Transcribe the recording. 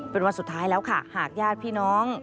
เป็นวันสุดท้ายแล้วค่ะหากญาติพี่น้อง